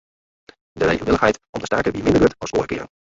De reewillichheid om te staken wie minder grut as oare kearen.